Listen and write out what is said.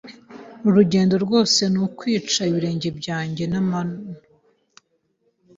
Uru rugendo rwose ni ukwica ibirenge byanjye n'amano.